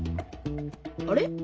あれ？